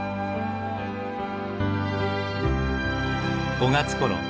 ５月ころ